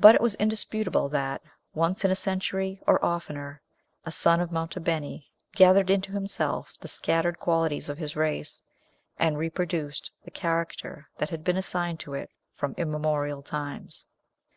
But it was indisputable that, once in a century or oftener, a son of Monte Beni gathered into himself the scattered qualities of his race, and reproduced the character that had been assigned to it from immemorial times.